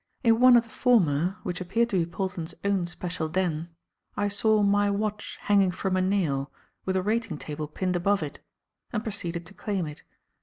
In one of the former, which appeared to be Polton's own special den, I saw my watch hanging from a nail, with a rating table pinned above it, and proceeded to claim it.